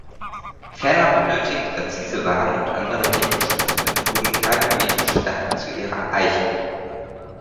Ferner benötigen präzise Waagen und andere technische Messmethoden gravimetrische Daten zu ihrer Eichung.